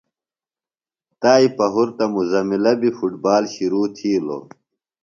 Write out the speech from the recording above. تائی پہُرتہ مزملہ بیۡ فُٹ بال شِرو تِھیلوۡ۔